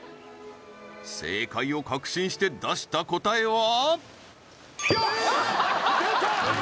正解を確信して出した答えは？